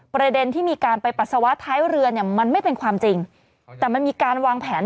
ประเด็นที่มีการไปปัสสาวะท้ายเรือเนี่ยมันไม่เป็นความจริงแต่มันมีการวางแผน